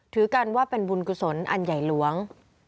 ถือกันว่าเป็นบุญกุศลอันใหญ่หลวง